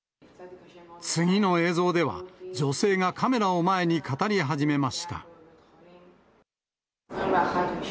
次の映像では、女性がカメラを前に語り始めました。